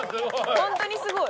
本当にすごい。